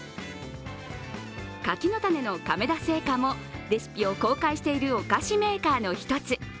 柿の種の亀田製菓もレシピを公開しているお菓子メーカーの１つ。